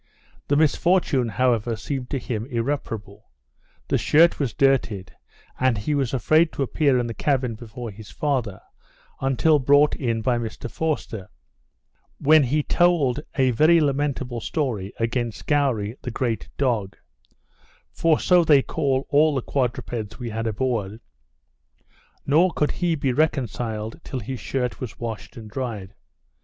The misfortune, however, seemed to him irreparable. The shirt was dirtied, and he was afraid to appear in the cabin before his father, until brought in by Mr Forster; when he told a very lamentable story against goury the great dog (for so they call all the quadrupeds we had aboard), nor could he be reconciled, till his shirt was washed and dried.